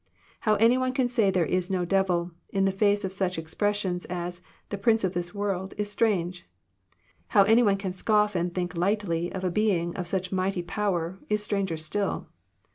How any one can say there is no devil, in the. face of such expressions as " the prince of this world," is strange. How any one can scoff and think lightly of a being of such mighty power, is stranger still.